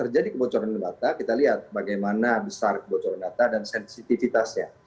jadi kebocoran data kita lihat bagaimana besar kebocoran data dan sensitivitasnya